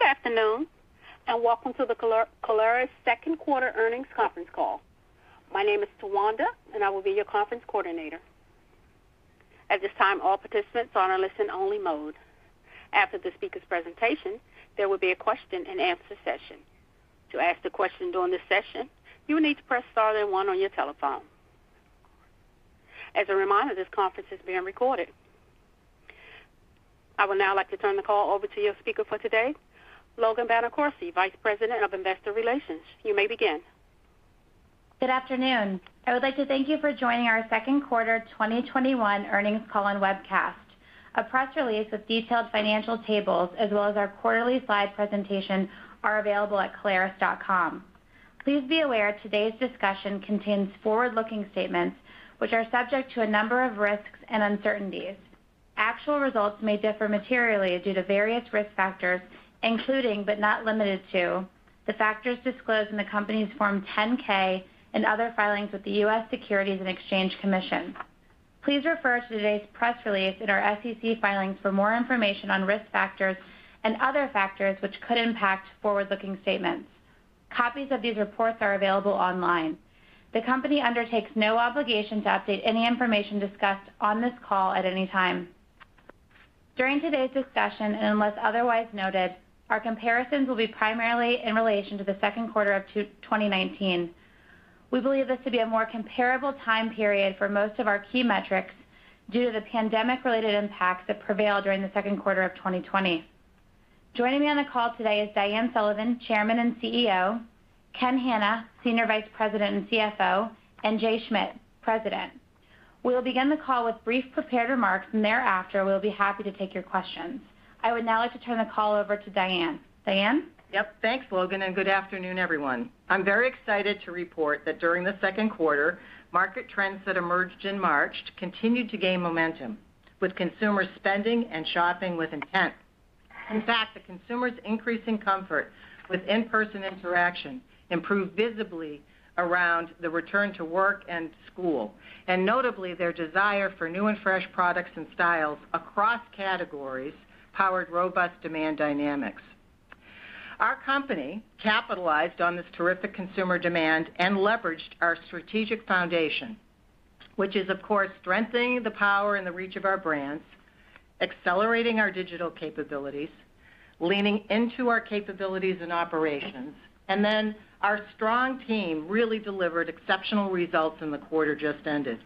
Good afternoon, welcome to the Caleres second quarter earnings conference call. My name is Tawanda, and I will be your conference coordinator. At this time, all participants are on a listen-only mode. After the speaker's presentation, there will be a question-and-answer session. To ask the question during this session, you will need to press star then one on your telephone. As a reminder, this conference is being recorded. I would now like to turn the call over to your speaker for today, Logan Bonacorsi, Vice President of Investor Relations. You may begin. Good afternoon. I would like to thank you for joining our second quarter 2021 earnings call and webcast. A press release with detailed financial tables as well as our quarterly slide presentation are available at caleres.com. Please be aware today's discussion contains forward-looking statements which are subject to a number of risks and uncertainties. Actual results may differ materially due to various risk factors, including but not limited to the factors disclosed in the company's Form 10-K and other filings with the U.S. Securities and Exchange Commission. Please refer to today's press release and our SEC filings for more information on risk factors and other factors which could impact forward-looking statements. Copies of these reports are available online. The company undertakes no obligation to update any information discussed on this call at any time. During today's discussion, and unless otherwise noted, our comparisons will be primarily in relation to the second quarter of 2019. We believe this to be a more comparable time period for most of our key metrics due to the pandemic-related impacts that prevailed during the second quarter of 2020. Joining me on the call today is Diane Sullivan, Chairman and CEO, Ken Hannah, Senior Vice President and CFO, and Jay Schmidt, President. We will begin the call with brief prepared remarks. Thereafter, we'll be happy to take your questions. I would now like to turn the call over to Diane. Diane? Yep. Thanks, Logan, good afternoon, everyone. I'm very excited to report that during the second quarter, market trends that emerged in March continued to gain momentum with consumer spending and shopping with intent. The consumer's increasing comfort with in-person interaction improved visibly around the return to work and school. Notably, their desire for new and fresh products and styles across categories powered robust demand dynamics. Our company capitalized on this terrific consumer demand and leveraged our strategic foundation, which is, of course, strengthening the power and the reach of our brands, accelerating our digital capabilities, leaning into our capabilities and operations. Our strong team really delivered exceptional results in the quarter just ended.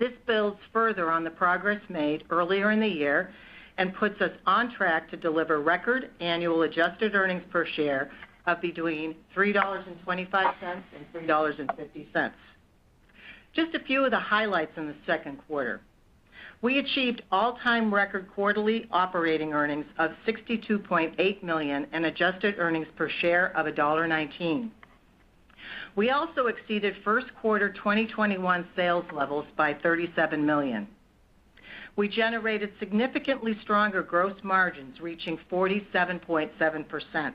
This builds further on the progress made earlier in the year and puts us on track to deliver record annual adjusted earnings per share of between $3.25 and $3.50. Just a few of the highlights in the second quarter. We achieved all-time record quarterly operating earnings of $62.8 million and adjusted earnings per share of $1.19. We also exceeded first quarter 2021 sales levels by $37 million. We generated significantly stronger gross margins, reaching 47.7%.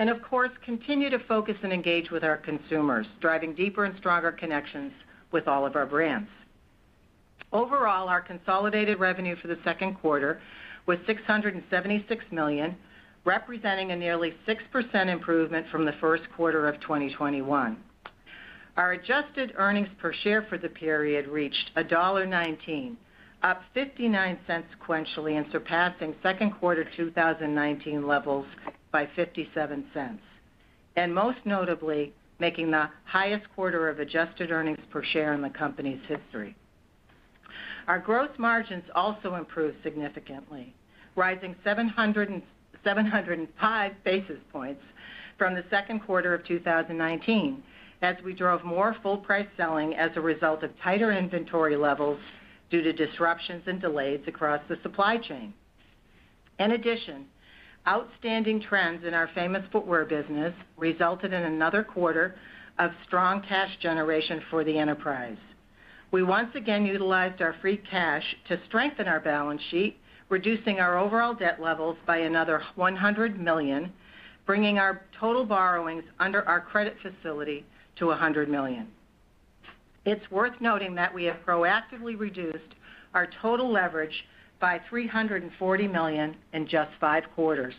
Of course, continue to focus and engage with our consumers, driving deeper and stronger connections with all of our brands. Overall, our consolidated revenue for the second quarter was $676 million, representing a nearly 6% improvement from the first quarter of 2021. Our adjusted earnings per share for the period reached $1.19, up $0.59 sequentially and surpassing second quarter 2019 levels by $0.57. Most notably, making the highest quarter of adjusted earnings per share in the company's history. Our gross margins also improved significantly, rising 705 basis points from the second quarter of 2019 as we drove more full price selling as a result of tighter inventory levels due to disruptions and delays across the supply chain. Outstanding trends in our Famous Footwear business resulted in another quarter of strong cash generation for the enterprise. We once again utilized our free cash to strengthen our balance sheet, reducing our overall debt levels by another $100 million, bringing our total borrowings under our credit facility to $100 million. It's worth noting that we have proactively reduced our total leverage by $340 million in just five quarters.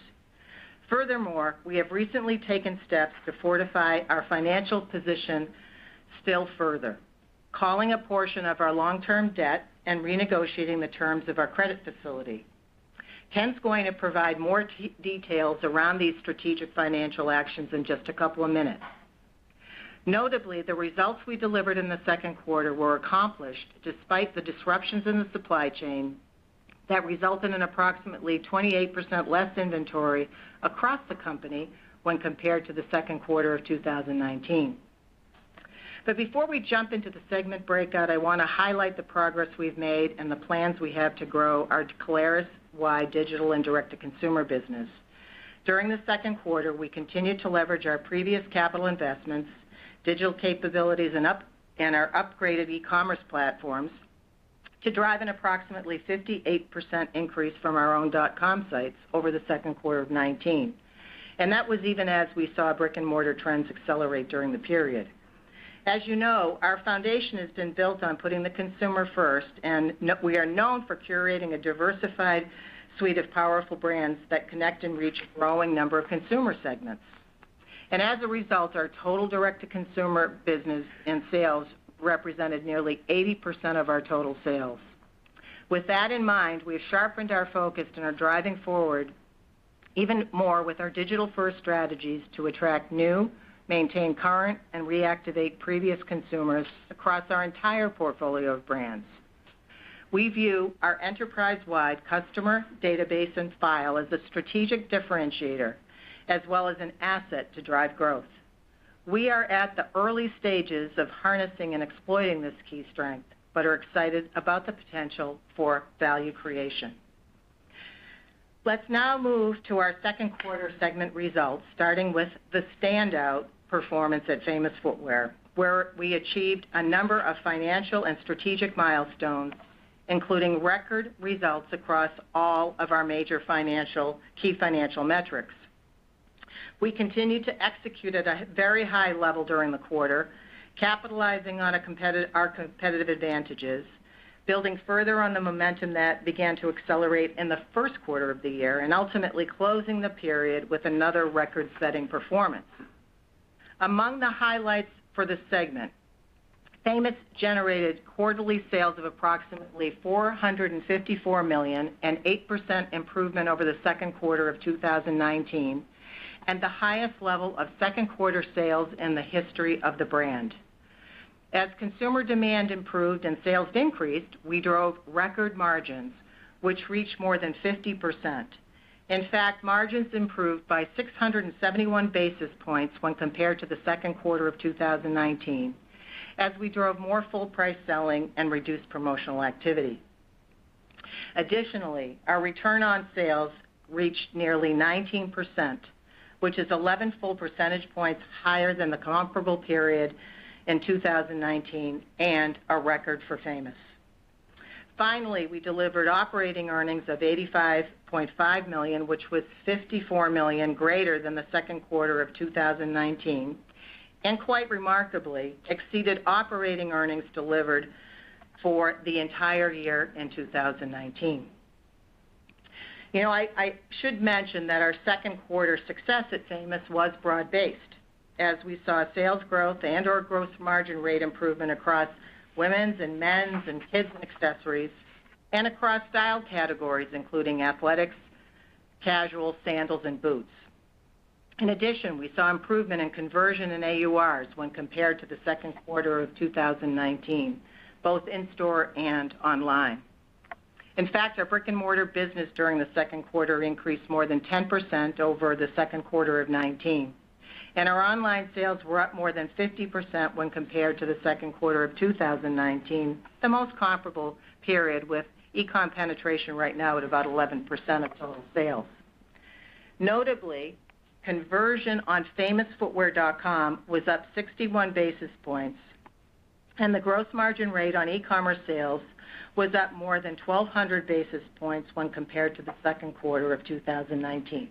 We have recently taken steps to fortify our financial position still further, calling a portion of our long-term debt and renegotiating the terms of our credit facility. Ken's going to provide more details around these strategic financial actions in just a couple of minutes. Notably, the results we delivered in the second quarter were accomplished despite the disruptions in the supply chain that resulted in approximately 28% less inventory across the company when compared to the second quarter of 2019. Before we jump into the segment breakout, I want to highlight the progress we've made and the plans we have to grow our Caleres wide digital and direct-to-consumer business. During the second quarter, we continued to leverage our previous capital investments, digital capabilities, and our upgraded e-commerce platforms to drive an approximately 58% increase from our own dot-com sites over the second quarter of 2019. That was even as we saw brick and mortar trends accelerate during the period. As you know, our foundation has been built on putting the consumer first, and we are known for curating a diversified suite of powerful brands that connect and reach a growing number of consumer segments. As a result, our total direct-to-consumer business and sales represented nearly 80% of our total sales. With that in mind, we have sharpened our focus and are driving forward even more with our digital-first strategies to attract new, maintain current, and reactivate previous consumers across our entire portfolio of brands. We view our enterprise-wide customer database and file as a strategic differentiator, as well as an asset to drive growth. We are at the early stages of harnessing and exploiting this key strength, but are excited about the potential for value creation. Let's now move to our second quarter segment results, starting with the standout performance at Famous Footwear, where we achieved a number of financial and strategic milestones, including record results across all of our major key financial metrics. We continued to execute at a very high level during the quarter, capitalizing on our competitive advantages, building further on the momentum that began to accelerate in the first quarter of the year, and ultimately closing the period with another record-setting performance. Among the highlights for the segment, Famous generated quarterly sales of approximately $454 million, an 8% improvement over the second quarter of 2019, and the highest level of second quarter sales in the history of the brand. As consumer demand improved and sales increased, we drove record margins, which reached more than 50%. Margins improved by 671 basis points when compared to the second quarter of 2019, as we drove more full price selling and reduced promotional activity. Our return on sales reached nearly 19%, which is 11 full percentage points higher than the comparable period in 2019 and a record for Famous. We delivered operating earnings of $85.5 million, which was $54 million greater than the second quarter of 2019, and quite remarkably, exceeded operating earnings delivered for the entire year in 2019. I should mention that our second quarter success at Famous was broad-based, as we saw sales growth and/or gross margin rate improvement across women's and men's and kids' and accessories, and across style categories including athletics, casual, sandals, and boots. We saw improvement in conversion in AURs when compared to the second quarter of 2019, both in-store and online. In fact, our brick-and-mortar business during the second quarter increased more than 10% over the second quarter of 2019. Our online sales were up more than 50% when compared to the second quarter of 2019, the most comparable period with e-com penetration right now at about 11% of total sales. Notably, conversion on famousfootwear.com was up 61 basis points, and the gross margin rate on e-commerce sales was up more than 1,200 basis points when compared to the second quarter of 2019.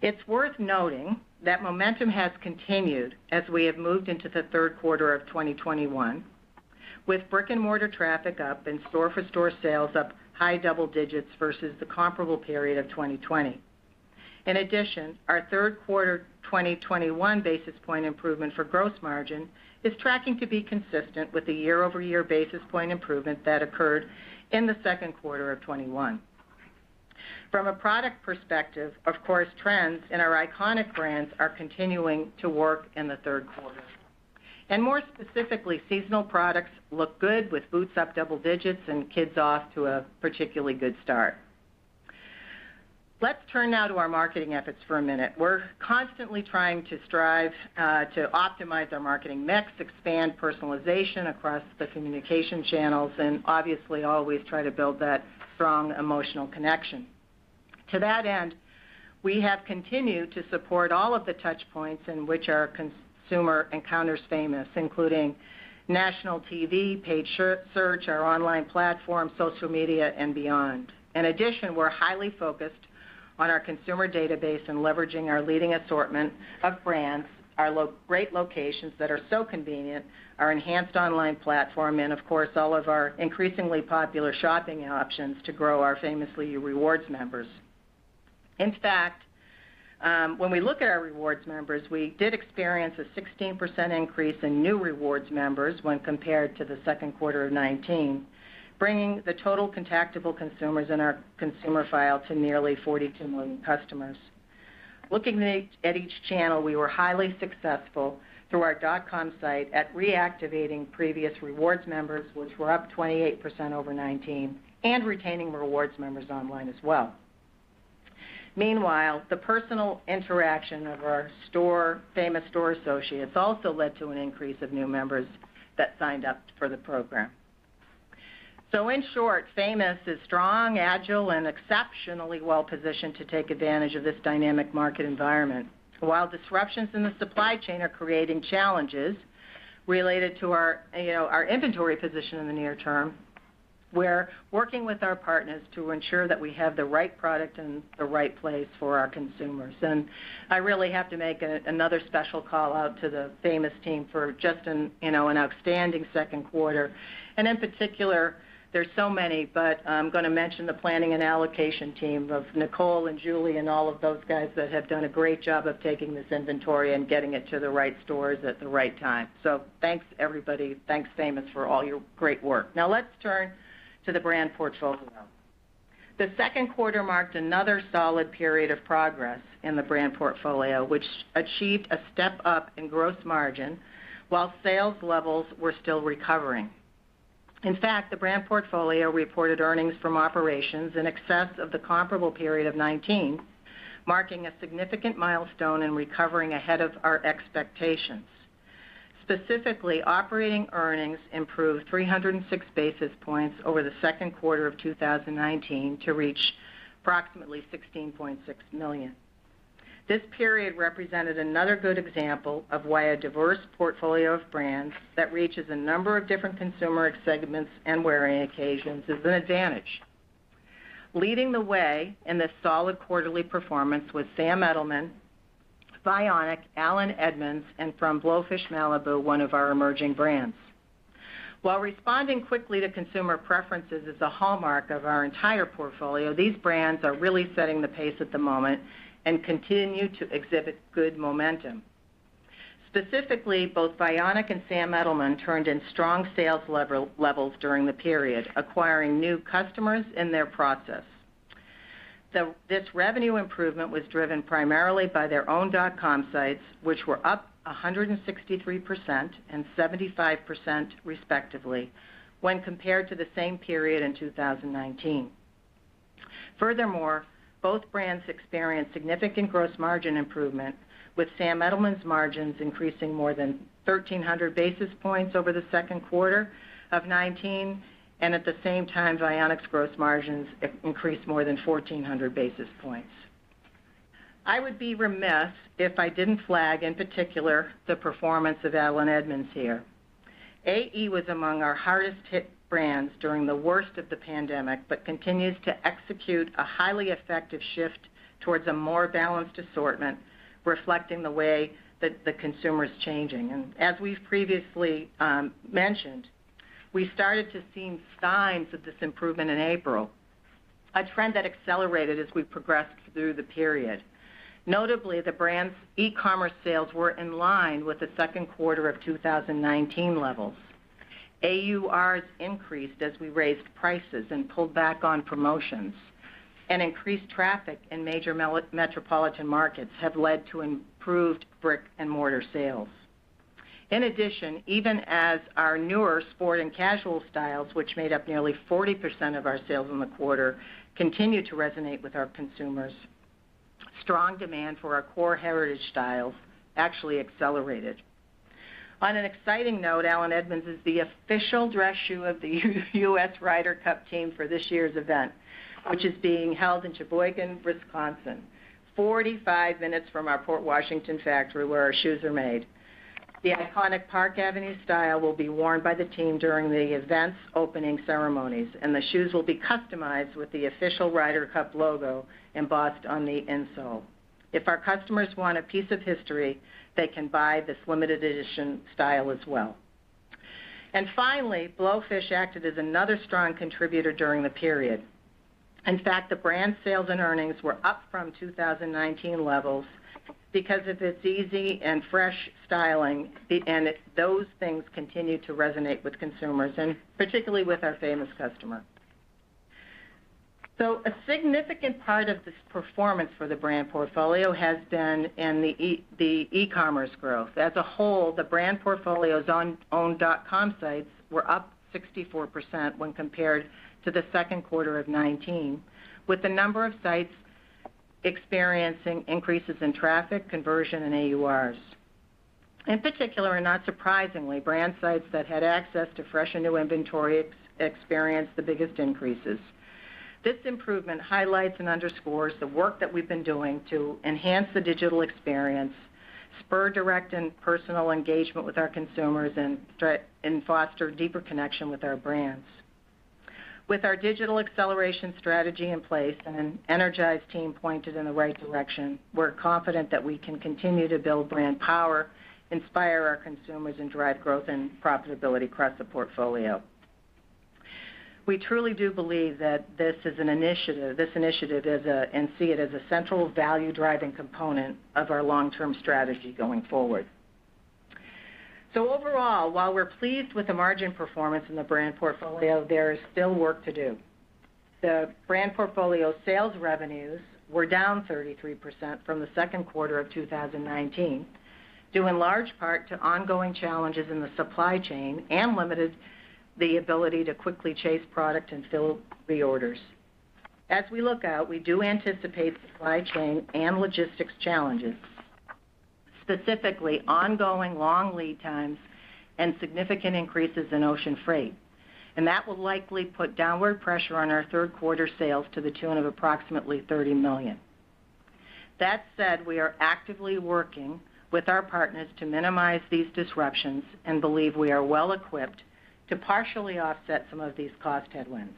It's worth noting that momentum has continued as we have moved into the third quarter of 2021, with brick-and-mortar traffic up and store-for-store sales up high double digits versus the comparable period of 2020. In addition, our third quarter 2021 basis point improvement for gross margin is tracking to be consistent with the year-over-year basis point improvement that occurred in the second quarter of 2021. From a product perspective, of course, trends in our iconic brands are continuing to work in the third quarter. More specifically, seasonal products look good, with boots up double digits and kids off to a particularly good start. Let's turn now to our marketing efforts for a minute. We're constantly trying to strive to optimize our marketing mix, expand personalization across the communication channels, and obviously always try to build that strong emotional connection. To that end, we have continued to support all of the touch points in which our consumer encounters Famous, including national TV, paid search, our online platform, social media, and beyond. We're highly focused on our consumer database and leveraging our leading assortment of brands, our great locations that are so convenient, our enhanced online platform, and of course, all of our increasingly popular shopping options to grow our Famously YOU Rewards members. In fact, when we look at our rewards members, we did experience a 16% increase in new rewards members when compared to the second quarter of 2019, bringing the total contactable consumers in our consumer file to nearly 42 million customers. Looking at each channel, we were highly successful through our dot-com site at reactivating previous rewards members, which were up 28% over 2019, and retaining rewards members online as well. Meanwhile, the personal interaction of our Famous store associates also led to an increase of new members that signed up for the program. In short, Famous is strong, agile, and exceptionally well-positioned to take advantage of this dynamic market environment. While disruptions in the supply chain are creating challenges related to our inventory position in the near term. We're working with our partners to ensure that we have the right product in the right place for our consumers. I really have to make another special call-out to the Famous team for just an outstanding second quarter. In particular, there's so many, but I'm going to mention the planning and allocation team of Nicole and Julie and all of those guys that have done a great job of taking this inventory and getting it to the right stores at the right time. Thanks, everybody. Thanks, Famous, for all your great work. Let's turn to the brand portfolio. The second quarter marked another solid period of progress in the brand portfolio, which achieved a step up in gross margin while sales levels were still recovering. In fact, the brand portfolio reported earnings from operations in excess of the comparable period of 2019, marking a significant milestone in recovering ahead of our expectations. Specifically, operating earnings improved 306 basis points over the second quarter of 2019 to reach approximately $16.6 million. This period represented another good example of why a diverse portfolio of brands that reaches a number of different consumer segments and wearing occasions is an advantage. Leading the way in this solid quarterly performance was Sam Edelman, Vionic, Allen Edmonds, and from Blowfish Malibu, one of our emerging brands. While responding quickly to consumer preferences is a hallmark of our entire portfolio, these brands are really setting the pace at the moment and continue to exhibit good momentum. Specifically, both Vionic and Sam Edelman turned in strong sales levels during the period, acquiring new customers in their process. This revenue improvement was driven primarily by their own dot-com sites, which were up 163% and 75%, respectively, when compared to the same period in 2019. Both brands experienced significant gross margin improvement, with Sam Edelman's margins increasing more than 1,300 basis points over the second quarter of 2019, and at the same time, Vionic's gross margins increased more than 1,400 basis points. I would be remiss if I didn't flag, in particular, the performance of Allen Edmonds here. AE was among our hardest-hit brands during the worst of the pandemic but continues to execute a highly effective shift towards a more balanced assortment, reflecting the way that the consumer is changing. As we've previously mentioned, we started to see signs of this improvement in April, a trend that accelerated as we progressed through the period. Notably, the brand's e-commerce sales were in line with the second quarter of 2019 levels. AURs increased as we raised prices and pulled back on promotions. Increased traffic in major metropolitan markets have led to improved brick-and-mortar sales. In addition, even as our newer sport and casual styles, which made up nearly 40% of our sales in the quarter, continued to resonate with our consumers, strong demand for our core heritage styles actually accelerated. On an exciting note, Allen Edmonds is the official dress shoe of the U.S. Ryder Cup team for this year's event, which is being held in Sheboygan, Wisconsin, 45 minutes from our Port Washington factory where our shoes are made. The iconic Park Avenue style will be worn by the team during the event's opening ceremonies, and the shoes will be customized with the official Ryder Cup logo embossed on the insole. If our customers want a piece of history, they can buy this limited edition style as well. Finally, Blowfish acted as another strong contributor during the period. In fact, the brand's sales and earnings were up from 2019 levels because of its easy and fresh styling, and those things continue to resonate with consumers and particularly with our Famous customer. A significant part of this performance for the brand portfolio has been in the e-commerce growth. As a whole, the brand portfolio's own dot-com sites were up 64% when compared to the second quarter of 2019, with a number of sites experiencing increases in traffic, conversion, and AURs. In particular, and not surprisingly, brand sites that had access to fresh and new inventory experienced the biggest increases. This improvement highlights and underscores the work that we've been doing to enhance the digital experience, spur direct and personal engagement with our consumers, and foster deeper connection with our brands. With our digital acceleration strategy in place and an energized team pointed in the right direction, we're confident that we can continue to build brand power, inspire our consumers, and drive growth and profitability across the portfolio. We truly do believe that this initiative and see it as a central value-driving component of our long-term strategy going forward. Overall, while we're pleased with the margin performance in the brand portfolio, there is still work to do. The brand portfolio sales revenues were down 33% from the second quarter of 2019, due in large part to ongoing challenges in the supply chain and limited the ability to quickly chase product and fill reorders. As we look out, we do anticipate supply chain and logistics challenges, specifically ongoing long lead times and significant increases in ocean freight. That will likely put downward pressure on our third quarter sales to the tune of approximately $30 million. That said, we are actively working with our partners to minimize these disruptions and believe we are well-equipped to partially offset some of these cost headwinds.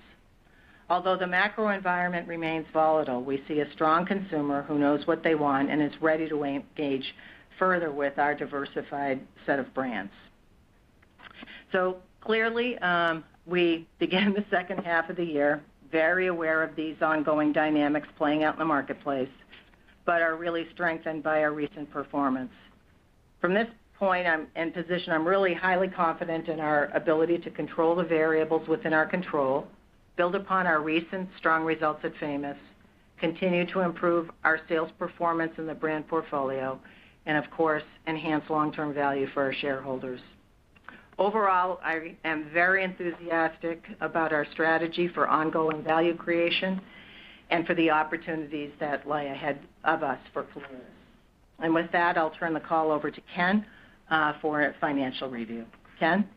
Although the macro environment remains volatile, we see a strong consumer who knows what they want and is ready to engage further with our diversified set of brands. Clearly, we begin the second half of the year very aware of these ongoing dynamics playing out in the marketplace, but are really strengthened by our recent performance. From this point and position, I'm really highly confident in our ability to control the variables within our control, build upon our recent strong results at Famous, continue to improve our sales performance in the brand portfolio, and of course, enhance long-term value for our shareholders. Overall, I am very enthusiastic about our strategy for ongoing value creation and for the opportunities that lie ahead of us for Caleres. With that, I'll turn the call over to Ken for a financial review. Ken?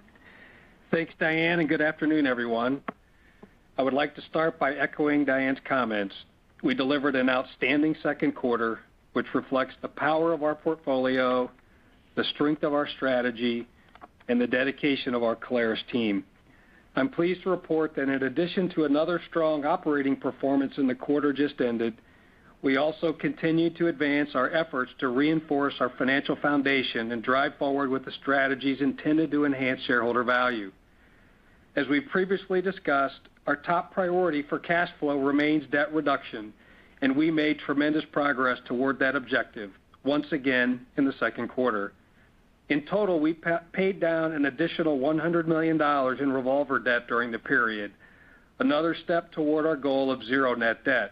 Thanks, Diane, and good afternoon, everyone. I would like to start by echoing Diane's comments. We delivered an outstanding second quarter, which reflects the power of our portfolio, the strength of our strategy, and the dedication of our Caleres team. I'm pleased to report that in addition to another strong operating performance in the quarter just ended, we also continue to advance our efforts to reinforce our financial foundation and drive forward with the strategies intended to enhance shareholder value. As we've previously discussed, our top priority for cash flow remains debt reduction, and we made tremendous progress toward that objective once again in the second quarter. In total, we paid down an additional $100 million in revolver debt during the period, another step toward our goal of zero net debt.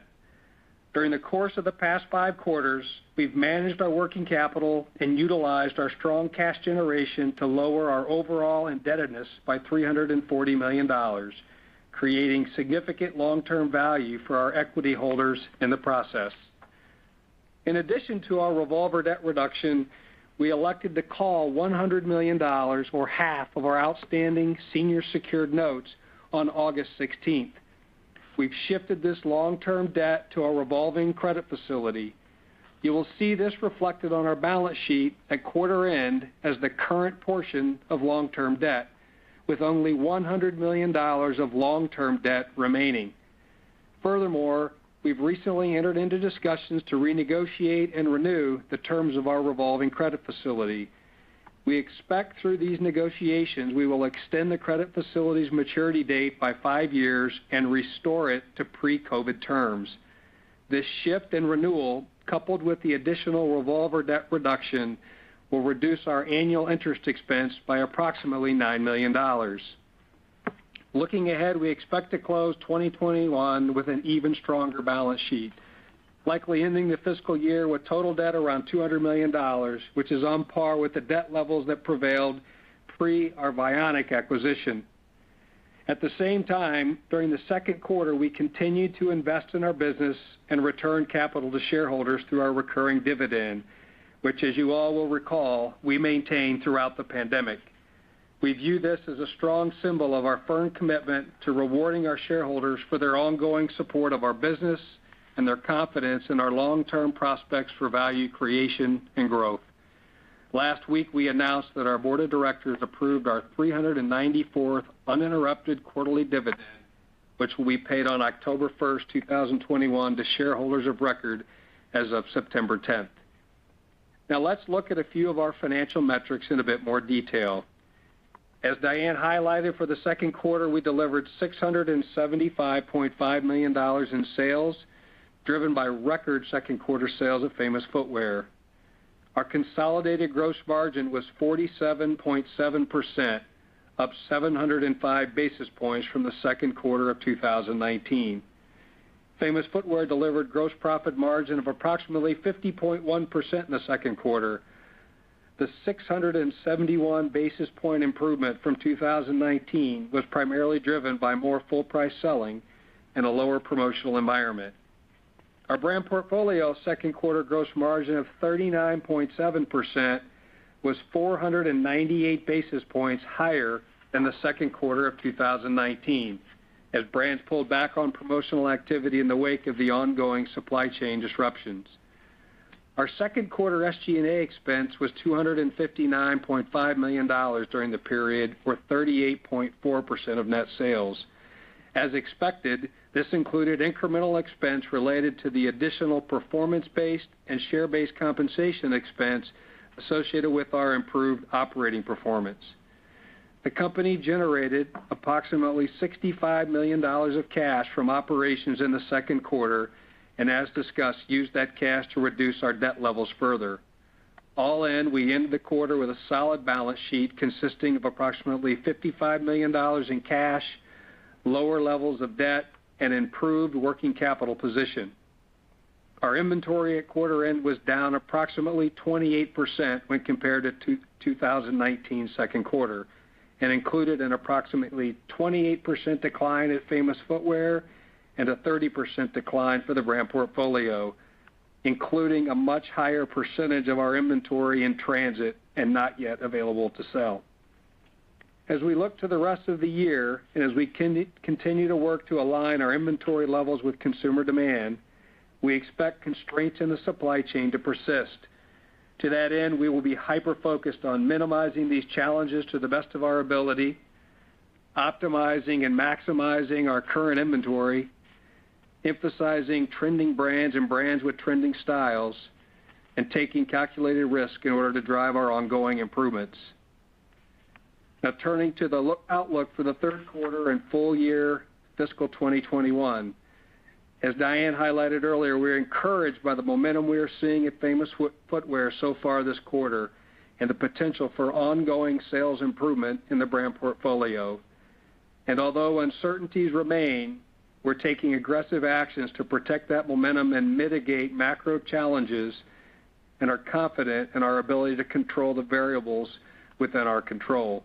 During the course of the past five quarters, we've managed our working capital and utilized our strong cash generation to lower our overall indebtedness by $340 million, creating significant long-term value for our equity holders in the process. In addition to our revolver debt reduction, we elected to call $100 million, or half of our outstanding senior secured notes on August 16th. We've shifted this long-term debt to our revolving credit facility. You will see this reflected on our balance sheet at quarter end as the current portion of long-term debt with only $100 million of long-term debt remaining. Furthermore, we've recently entered into discussions to renegotiate and renew the terms of our revolving credit facility. We expect through these negotiations, we will extend the credit facility's maturity date by five years and restore it to pre-COVID terms. This shift in renewal, coupled with the additional revolver debt reduction, will reduce our annual interest expense by approximately $9 million. Looking ahead, we expect to close 2021 with an even stronger balance sheet, likely ending the fiscal year with total debt around $200 million, which is on par with the debt levels that prevailed pre our Vionic acquisition. At the same time, during the second quarter, we continued to invest in our business and return capital to shareholders through our recurring dividend, which, as you all will recall, we maintained throughout the pandemic. We view this as a strong symbol of our firm commitment to rewarding our shareholders for their ongoing support of our business and their confidence in our long-term prospects for value creation and growth. Last week, we announced that our board of directors approved our 394th uninterrupted quarterly dividend, which will be paid on October 1st, 2021, to shareholders of record as of September 10th. Let's look at a few of our financial metrics in a bit more detail. As Diane highlighted, for the second quarter, we delivered $675.5 million in sales, driven by record second quarter sales of Famous Footwear. Our consolidated gross margin was 47.7%, up 705 basis points from the second quarter of 2019. Famous Footwear delivered gross profit margin of approximately 50.1% in the second quarter. The 671 basis point improvement from 2019 was primarily driven by more full price selling and a lower promotional environment. Our brand portfolio second quarter gross margin of 39.7% was 498 basis points higher than the second quarter of 2019, as brands pulled back on promotional activity in the wake of the ongoing supply chain disruptions. Our second quarter SG&A expense was $259.5 million during the period, or 38.4% of net sales. As expected, this included incremental expense related to the additional performance-based and share-based compensation expense associated with our improved operating performance. The company generated approximately $65 million of cash from operations in the second quarter, and as discussed, used that cash to reduce our debt levels further. All in, we ended the quarter with a solid balance sheet consisting of approximately $55 million in cash, lower levels of debt, and improved working capital position. Our inventory at quarter end was down approximately 28% when compared to 2019 second quarter and included an approximately 28% decline at Famous Footwear and a 30% decline for the brand portfolio, including a much higher percentage of our inventory in transit and not yet available to sell. As we look to the rest of the year, and as we continue to work to align our inventory levels with consumer demand, we expect constraints in the supply chain to persist. To that end, we will be hyper-focused on minimizing these challenges to the best of our ability, optimizing and maximizing our current inventory, emphasizing trending brands and brands with trending styles, and taking calculated risk in order to drive our ongoing improvements. Now, turning to the outlook for the third quarter and full year fiscal 2021. As Diane highlighted earlier, we're encouraged by the momentum we are seeing at Famous Footwear so far this quarter and the potential for ongoing sales improvement in the brand portfolio. Although uncertainties remain, we're taking aggressive actions to protect that momentum and mitigate macro challenges and are confident in our ability to control the variables within our control.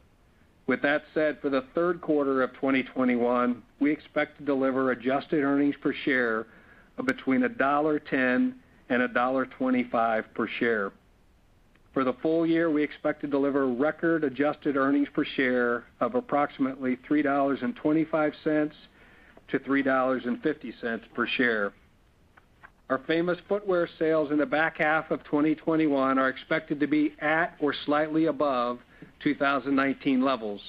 With that said, for the third quarter of 2021, we expect to deliver adjusted earnings per share of between $1.10 and $1.25 per share. For the full year, we expect to deliver record adjusted earnings per share of approximately $3.25-$3.50 per share. Our Famous Footwear sales in the back half of 2021 are expected to be at or slightly above 2019 levels.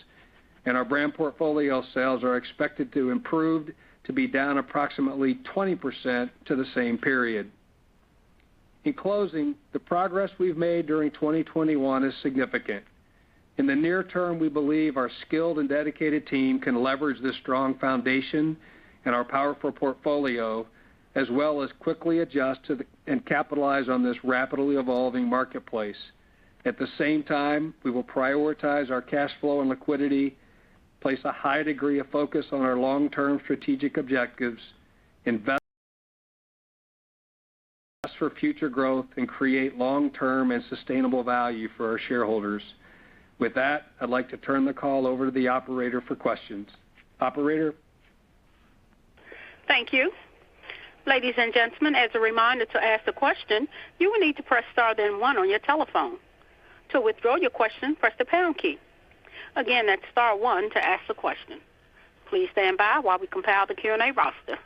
Our brand portfolio sales are expected to improve to be down approximately 20% to the same period. In closing, the progress we've made during 2021 is significant. In the near term, we believe our skilled and dedicated team can leverage this strong foundation and our powerful portfolio as well as quickly adjust and capitalize on this rapidly evolving marketplace. At the same time, we will prioritize our cash flow and liquidity, place a high degree of focus on our long-term strategic objectives, invest for future growth, and create long-term and sustainable value for our shareholders. With that, I'd like to turn the call over to the operator for questions. Operator? Thank you. Ladies and gentlemen, as a reminder, to ask a question, you will need to press star then one on your telephone. To withdraw your question, press the pound key. Again, that's star one to ask a question. Please stand by while we compile the Q&A roster.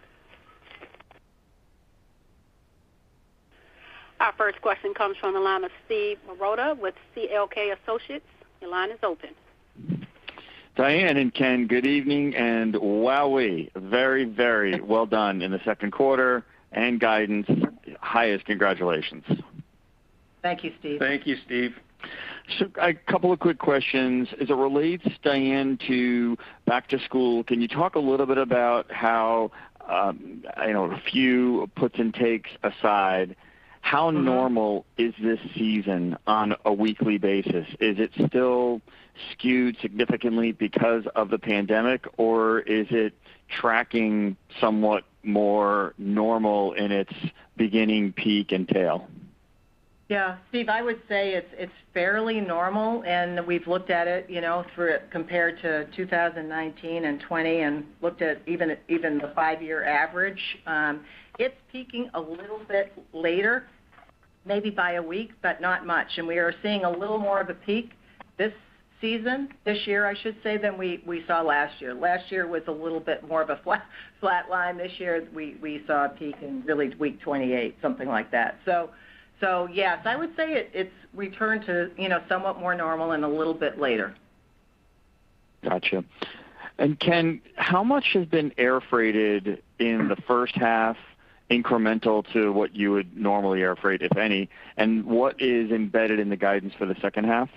Our first question comes from the line of Steve Marotta with C.L.K Associates. Your line is open. Diane and Ken, good evening, and wowie, very well done in the second quarter and guidance. Highest congratulations. Thank you, Steve. Thank you, Steve. A couple of quick questions. As it relates, Diane, to back to school, can you talk a little bit about how, a few puts and takes aside, how normal is this season on a weekly basis? Is it still skewed significantly because of the pandemic, or is it tracking somewhat more normal in its beginning, peak, and tail? Steve, I would say it's fairly normal, and we've looked at it compared to 2019 and 2020 and looked at even the five-year average. It's peaking a little bit later, maybe by a week, but not much. We are seeing a little more of a peak this season, this year, I should say, than we saw last year. Last year was a little bit more of a flat line. This year, we saw a peak in really week 28, something like that. Yes, I would say it's returned to somewhat more normal and a little bit later. Got you. Ken, how much has been air freighted in the first half incremental to what you would normally air freight, if any? What is embedded in the guidance for the second half?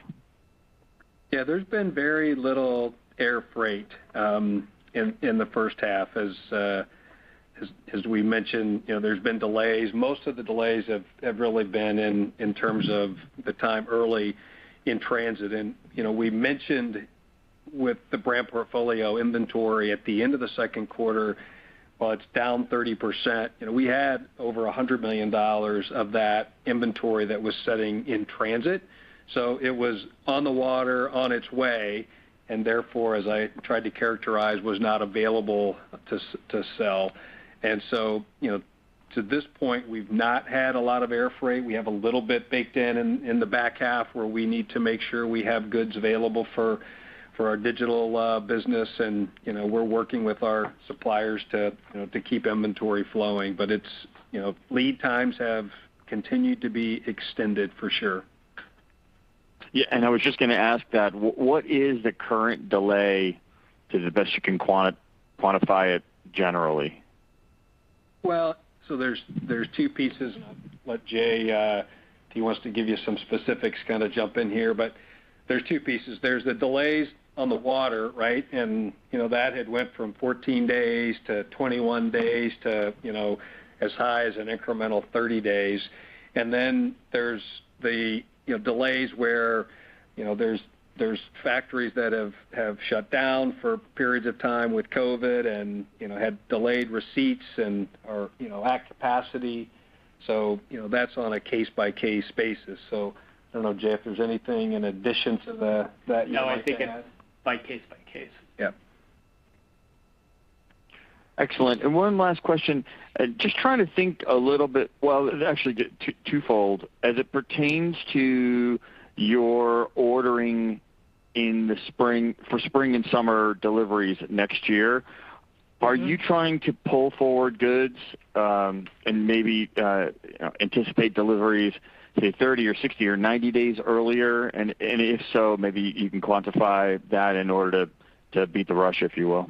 Yeah, there's been very little air freight in the first half. As we mentioned, there's been delays. Most of the delays have really been in terms of the time early in transit. We mentioned with the brand portfolio inventory at the end of the second quarter, while it's down 30%, we had over $100 million of that inventory that was sitting in transit. It was on the water on its way, and therefore, as I tried to characterize, was not available to sell. To this point, we've not had a lot of air freight. We have a little bit baked in in the back half where we need to make sure we have goods available for our digital business, and we're working with our suppliers to keep inventory flowing. Lead times have continued to be extended for sure. I was just going to ask that. What is the current delay to the best you can quantify it generally? There's two pieces, and I'll let Jay, if he wants to give you some specifics, jump in here. There's two pieces. There's the delays on the water, right? That had went from 14 days to 21 days to as high as an incremental 30 days. There's the delays where there's factories that have shut down for periods of time with COVID and had delayed receipts and are at capacity. That's on a case-by-case basis. I don't know, Jay, if there's anything in addition to that you might add. No, I think it's by case, by case. Yeah. Excellent. One last question. Just trying to think a little bit. Well, actually, twofold. As it pertains to your ordering for spring and summer deliveries next year, are you trying to pull forward goods, and maybe anticipate deliveries, say, 30 or 60 or 90 days earlier? If so, maybe you can quantify that in order to beat the rush, if you will?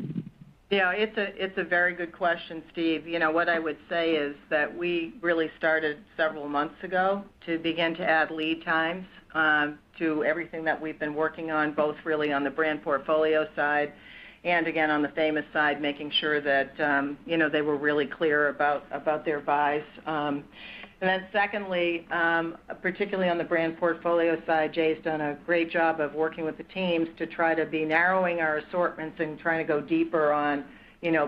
Yeah. It's a very good question, Steve. What I would say is that we really started several months ago to begin to add lead times to everything that we've been working on, both really on the brand portfolio side and, again, on the Famous side, making sure that they were really clear about their buys. Secondly, particularly on the brand portfolio side, Jay's done a great job of working with the teams to try to be narrowing our assortments and trying to go deeper on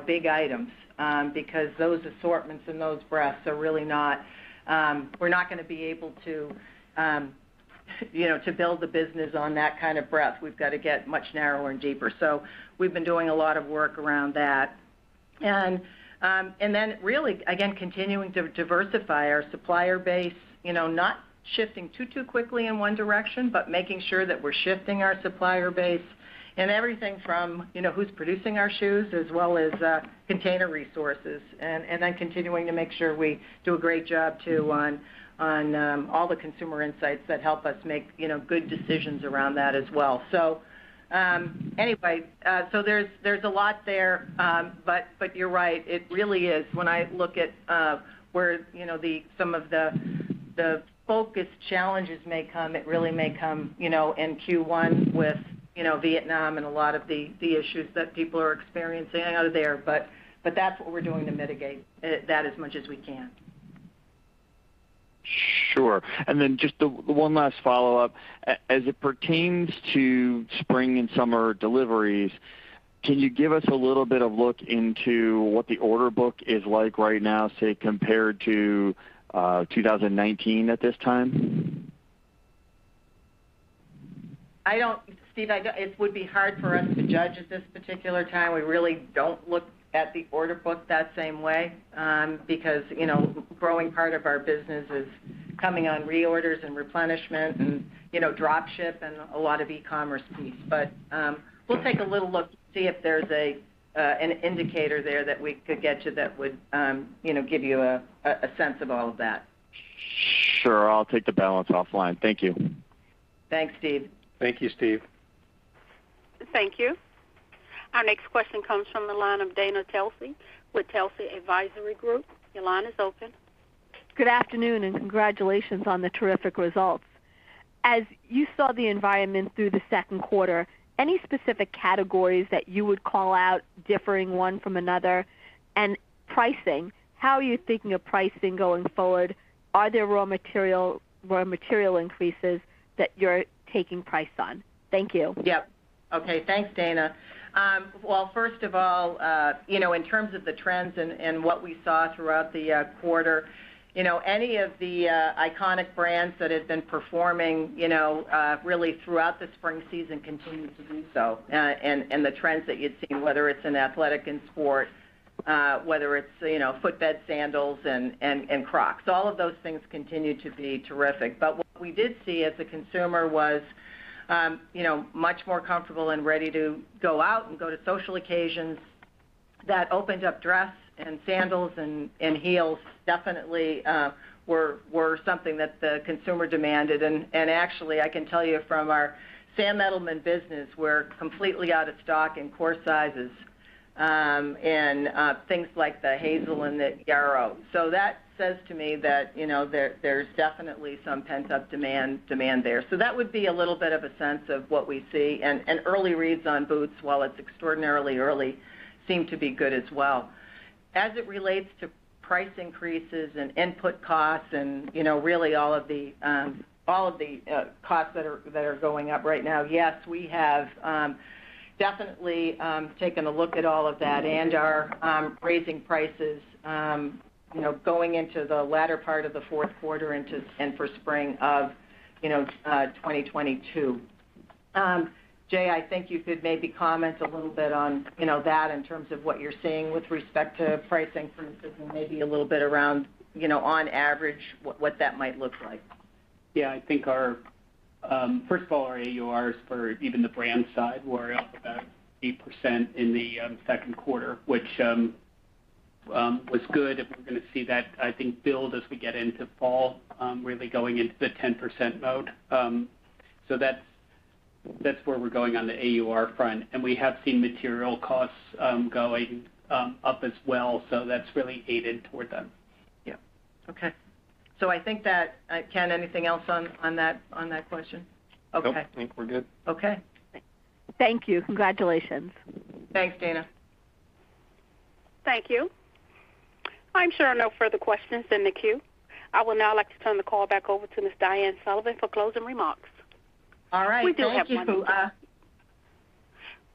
big items, because those assortments and those breadths, we're not going to be able to build the business on that kind of breadth. We've got to get much narrower and deeper. We've been doing a lot of work around that. Really, again, continuing to diversify our supplier base. Not shifting too quickly in one direction, but making sure that we're shifting our supplier base in everything from who's producing our shoes, as well as container resources. Continuing to make sure we do a great job, too, on all the consumer insights that help us make good decisions around that as well. There's a lot there. You're right. It really is, when I look at where some of the focus challenges may come, it really may come in Q1 with Vietnam and a lot of the issues that people are experiencing out of there. That's what we're doing to mitigate that as much as we can. Sure. Just the one last follow-up. As it pertains to spring and summer deliveries, can you give us a little bit of look into what the order book is like right now, say, compared to 2019 at this time? Steve, it would be hard for us to judge at this particular time. We really don't look at the order book that same way, because growing part of our business is coming on reorders and replenishment and drop shipping and a lot of e-commerce piece. We'll take a little look, see if there's an indicator there that we could get you that would give you a sense of all of that. Sure. I'll take the balance offline. Thank you. Thanks, Steve. Thank you, Steve. Thank you. Our next question comes from the line of Dana Telsey with Telsey Advisory Group. Your line is open. Good afternoon. Congratulations on the terrific results. As you saw the environment through the second quarter, any specific categories that you would call out differing one from another? Pricing, how are you thinking of pricing going forward? Are there raw material increases that you're taking price on? Thank you. Yep. Okay. Thanks, Dana. Well, first of all, in terms of the trends and what we saw throughout the quarter, any of the iconic brands that have been performing really throughout the spring season continue to do so. The trends that you'd see, whether it's in athletic and sport, whether it's footbed sandals and Crocs, all of those things continue to be terrific. What we did see as the consumer was much more comfortable and ready to go out and go to social occasions. That opened up dress and sandals and heels definitely were something that the consumer demanded. Actually, I can tell you from our Sam Edelman business, we're completely out of stock in core sizes, and things like the Hazel and the Yaro. That says to me that there's definitely some pent-up demand there. That would be a little bit of a sense of what we see. Early reads on boots, while it's extraordinarily early, seem to be good as well. As it relates to price increases and input costs and really all of the costs that are going up right now, yes, we have definitely taken a look at all of that and are raising prices, going into the latter part of the fourth quarter and for spring of 2022. Jay, I think you could maybe comment a little bit on that in terms of what you're seeing with respect to pricing, for instance, and maybe a little bit around on average what that might look like. Yeah. First of all, our AUR for even the brand side were up about 8% in the second quarter, which was good. We're going to see that, I think, build as we get into fall, really going into the 10% mode. That's where we're going on the AUR front. We have seen material costs going up as well, so that's really aided toward them. Yep. Okay. I think that Ken, anything else on that question? Okay. Nope. I think we're good. Okay. Thank you. Congratulations. Thanks, Dana. Thank you. I'm showing no further questions in the queue. I would now like to turn the call back over to Ms. Diane Sullivan for closing remarks. All right. Thank you.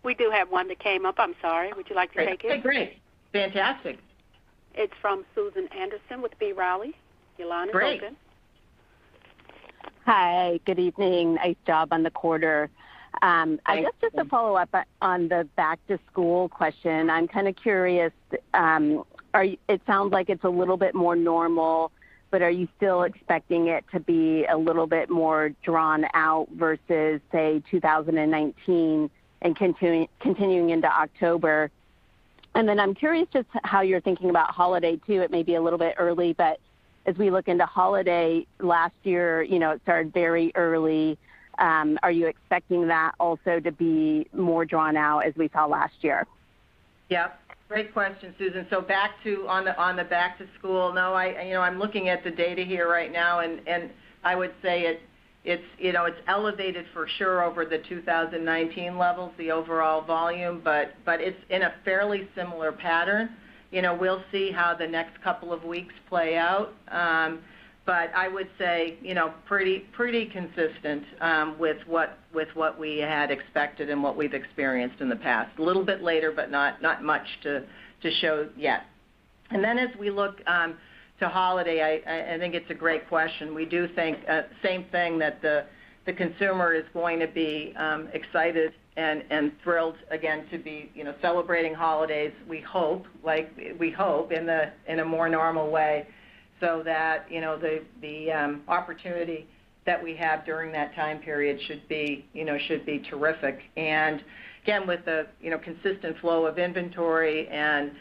We do have one that came up. I'm sorry. Would you like to take it? Okay, great. Fantastic. It's from Susan Anderson with B. Riley. Your line is open. Hi, good evening. Nice job on the quarter. Thanks. Just as a follow-up on the back-to-school question, I'm curious. It sounds like it's a little bit more normal, but are you still expecting it to be a little bit more drawn out versus, say, 2019 and continuing into October? I'm curious just how you're thinking about holiday too. It may be a little bit early, but as we look into holiday, last year, it started very early. Are you expecting that also to be more drawn out as we saw last year? Yep. Great question, Susan. On the back to school, no, I'm looking at the data here right now, and I would say it's elevated for sure over the 2019 levels, the overall volume, but it's in a fairly similar pattern. We'll see how the next couple of weeks play out. I would say, pretty consistent with what we had expected and what we've experienced in the past. A little bit later, but not much to show yet. As we look to holiday, I think it's a great question. We do think, same thing, that the consumer is going to be excited and thrilled again to be celebrating holidays we hope in a more normal way so that the opportunity that we have during that time period should be terrific. Again, with the consistent flow of inventory and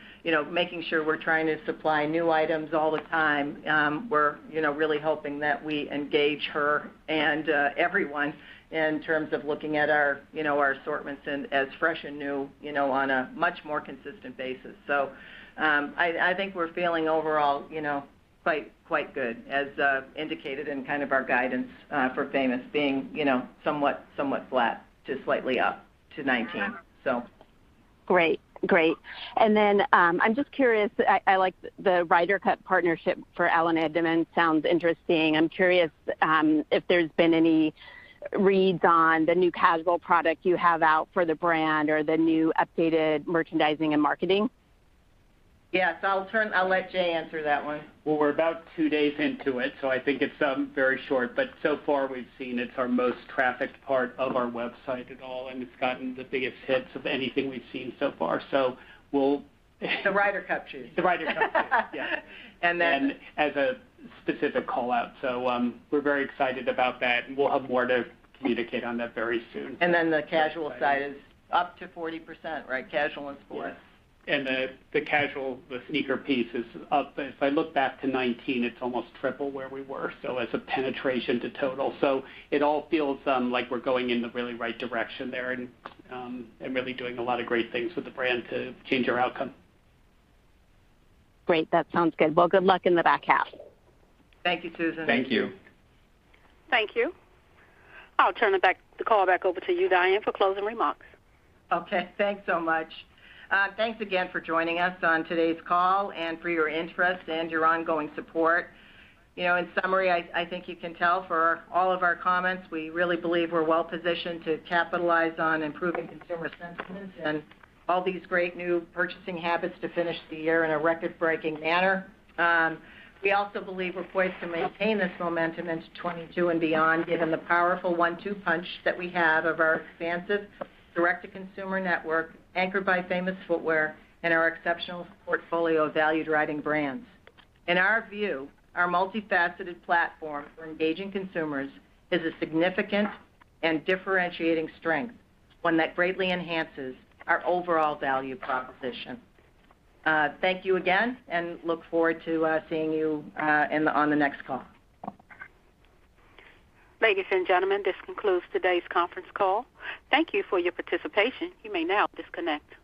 making sure we're trying to supply new items all the time, we're really hoping that we engage her and everyone in terms of looking at our assortments and as fresh and new on a much more consistent basis. I think we're feeling overall quite good as indicated in our guidance for Famous being somewhat flat to slightly up to 2019. Great. I'm just curious. I like the Ryder Cup partnership for Allen Edmonds, sounds interesting. I'm curious if there's been any reads on the new casual product you have out for the brand or the new updated merchandising and marketing. Yes, I'll let Jay answer that one. Well, we're about two days into it, I think it's very short. So far, we've seen it's our most trafficked part of our website at all, and it's gotten the biggest hits of anything we've seen so far. We'll The Ryder Cup shoes. The Ryder Cup shoes, yeah. And then- As a specific call-out. We're very excited about that, and we'll have more to communicate on that very soon. The casual side is up to 40%, right? Casual and sports. Yeah. The casual, the sneaker piece is up. If I look back to 2019, it's almost triple where we were as a penetration to total. It all feels like we're going in the really right direction there and really doing a lot of great things with the brand to change our outcome. Great. That sounds good. Well, good luck in the back half. Thank you, Susan. Thank you. Thank you. I'll turn the call back over to you, Diane, for closing remarks. Okay. Thanks so much. Thanks again for joining us on today's call and for your interest and your ongoing support. In summary, I think you can tell for all of our comments, we really believe we're well-positioned to capitalize on improving consumer sentiment and all these great new purchasing habits to finish the year in a record-breaking manner. We also believe we're poised to maintain this momentum into 2022 and beyond, given the powerful one-two punch that we have of our expansive direct-to-consumer network, anchored by Famous Footwear, and our exceptional portfolio of value-driving brands. In our view, our multifaceted platform for engaging consumers is a significant and differentiating strength, one that greatly enhances our overall value proposition. Thank you again, and look forward to seeing you on the next call. Ladies and gentlemen, this concludes today's conference call. Thank you for your participation. You may now disconnect.